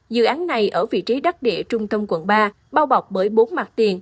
dự án này ở vị trí đắc địa trung tâm quận ba bao bọc bởi bốn mặt tiền